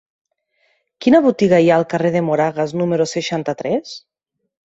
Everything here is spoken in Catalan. Quina botiga hi ha al carrer de Moragas número seixanta-tres?